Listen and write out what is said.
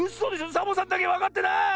⁉サボさんだけわかってない！